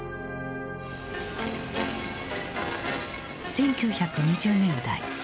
１９２０年代。